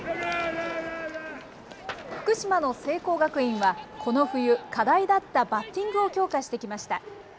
福島の聖光学院はこの冬、課題だったバッティングを強化してきました。